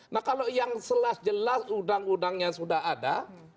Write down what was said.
nah kalau yang jelas jelas undang undangnya sudah ada